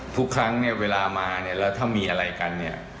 ทุกครั้งเวลามาแล้วถ้ามีอะไรกัน